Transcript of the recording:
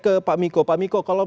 mereka bisa untuk disokong